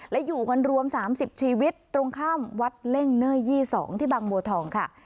และอยู่กันรวมสามสิบชีวิตตรงข้ามวัดเล่งเนื่อยยี่สองที่บางบัวทองค่ะ